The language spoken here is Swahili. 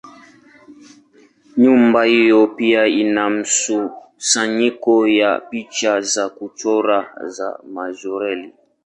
Nyumba hiyo pia ina mkusanyiko wa picha za kuchora za Majorelle.